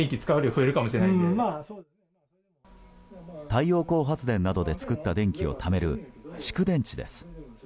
太陽光発電などで作った電気をためる蓄電池です。